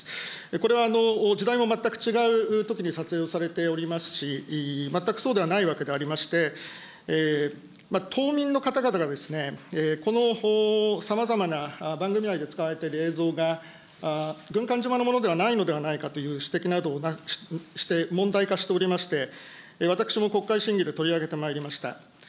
これは時代も全く違うときに撮影されておりますし、全くそうではないわけでありまして、島民の方々がこの、さまざまな番組内で使われている映像が、軍艦島のものではないのではないかという指摘などをして問題化しておりまして、私も国会審議で取り上げてまいりました。